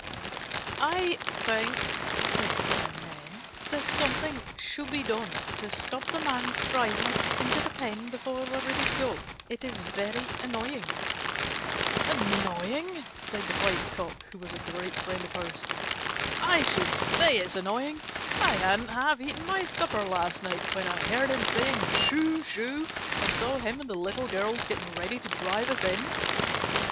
"I think," said the Brown Hen, "that something should be done to stop the Man's driving us into the pen before we are ready to go. It is very annoying." "Annoying?" said the White Cock, who was a great friend of hers. "I should say it is annoying! I hadn't half eaten my supper last night when I heard him saying, 'Shoo! Shoo!' and saw him and the Little Girls getting ready to drive us in."